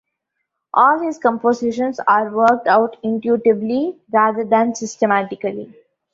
All his compositions are worked out intuitively rather than systematically.